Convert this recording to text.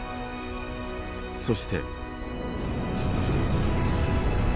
そして。